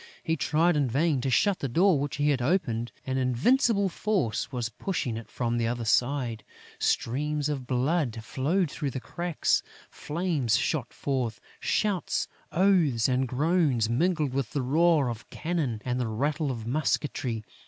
He tried in vain to shut the door which he had opened: an invincible force was pushing it from the other side, streams of blood flowed through the cracks; flames shot forth; shouts, oaths and groans mingled with the roar of cannon and the rattle of musketry.